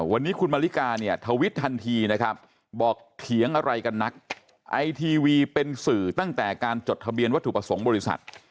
วันนี้คุณมาริกาเนี่ยทวิตทันทีนะครับบอกเถียงอะไรกันนักไอทีวีเป็นสื่อตั้งแต่การจดทะเบียนวัตถุประสงค์บริษัท